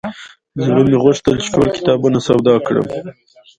زړه مې غوښتل چې ټول کتابونه سودا کړم.